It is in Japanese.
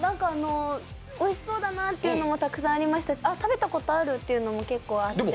おいしそうだなというのもたくさんありましたし食べたことあるっていうのも結構あって。